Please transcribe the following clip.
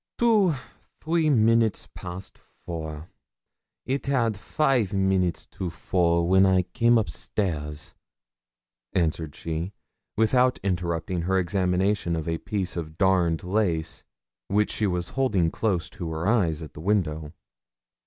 'Two three minutes past four. It had five minutes to four when I came upstairs,' answered she, without interrupting her examination of a piece of darned lace which she was holding close to her eyes at the window.